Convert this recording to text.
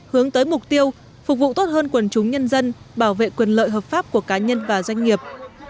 hướng tới mục tiêu phục vụ tốt hơn quần chúng nhân dân bảo vệ quyền lợi hợp pháp của cá nhân và doanh nghiệp